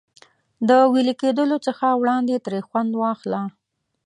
د وېلې کېدلو څخه وړاندې ترې خوند واخله.